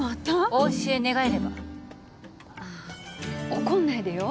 お教え願えれば怒んないでよ